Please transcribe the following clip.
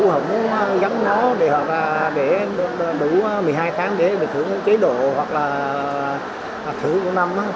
họ không dám nó để đủ một mươi hai tháng để thử chế độ hoặc là thử cuối năm